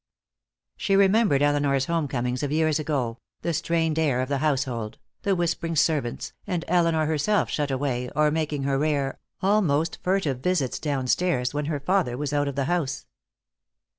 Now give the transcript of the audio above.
She remembered Elinor's home comings of years ago, the strained air of the household, the whispering servants, and Elinor herself shut away, or making her rare, almost furtive visits downstairs when her father was out of the house.